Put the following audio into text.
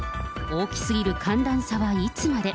大きすぎる寒暖差はいつまで。